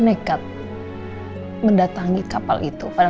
jika kfive tahu anda tidak tahu gaya